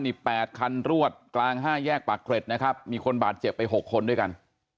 นี่๘คันรวดกลาง๕แยกปากเกร็ดนะครับมีคนบาดเจ็บไป๖คนด้วยกัน